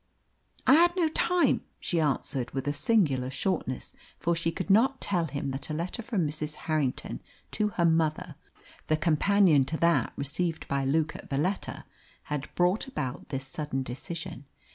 "I had no time," she answered, with a singular shortness, for she could not tell him that a letter from Mrs. Harrington to her mother the companion to that received by Luke at Valetta had brought about this sudden decision.